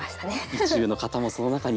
意中の方もその中に。